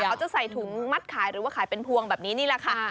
เขาจะใส่ถุงมัดขายหรือว่าขายเป็นพวงแบบนี้นี่แหละค่ะ